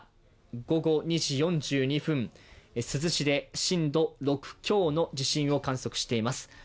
午後２時４２分、珠洲市で震度６強の地震を観測しています。